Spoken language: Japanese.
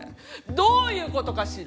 どういうことかしら。